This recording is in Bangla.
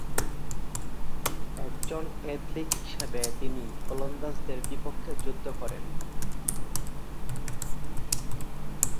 একজন ক্যাথলিক হিসেবে তিনি ওলন্দাজদের বিপক্ষে যুদ্ধ করেন।